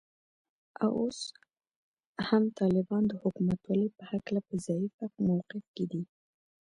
او اوس هم طالبان د حکومتولې په هکله په ضعیفه موقف کې دي